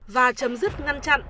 và chấm dứt ngăn chặn